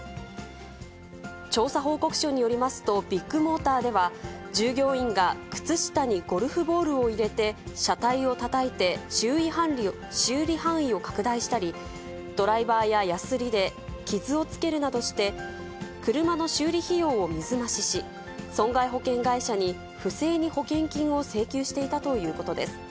調査報告書によりますと、ビッグモーターでは、従業員が靴下にゴルフボールを入れて車体をたたいて修理範囲を拡大したり、ドライバーややすりで傷をつけるなどして、車の修理費用を水増しし、損害保険会社に不正に保険金を請求していたということです。